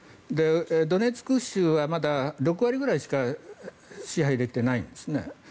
ドネツク州はまだ６割ぐらいしか支配できていないんです。